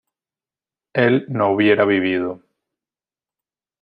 él no hubiera vivido